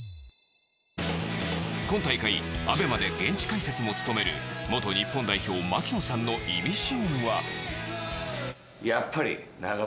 今大会、ＡＢＥＭＡで現地解説も務める元日本代表槙野さんのイミシンは。